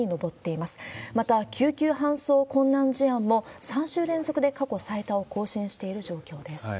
また、救急搬送困難事案も３週連続で過去最多を更新している状況です。